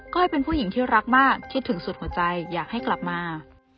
้อยเป็นผู้หญิงที่รักมากคิดถึงสุดหัวใจอยากให้กลับมา